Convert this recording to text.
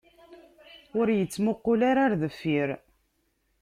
Ur ittmuqul ara ɣer deffir.